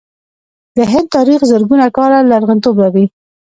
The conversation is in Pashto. د هند تاریخ زرګونه کاله لرغونتوب لري.